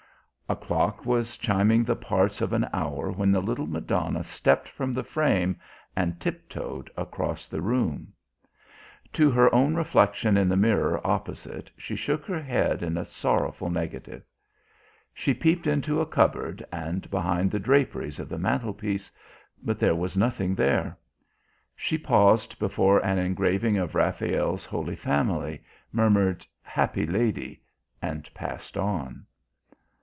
A clock was chiming the parts of an hour when the little Madonna stepped from the frame and tiptoed across the room. To her own reflection in the mirror opposite she shook her head in a sorrowful negative. She peeped into a cupboard and behind the draperies of the mantlepiece, but there was nothing there. She paused before an engraving of Raphael's Holy Family, murmured "Happy Lady" and passed on.